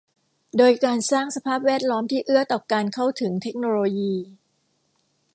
โดยการสร้างสภาพแวดล้อมที่เอื้อต่อการเข้าถึงเทคโนโลยี